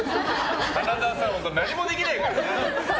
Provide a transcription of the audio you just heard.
花澤さんは何もできないからね。